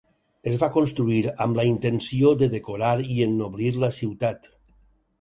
Es va construir amb la intenció de decorar i ennoblir la ciutat.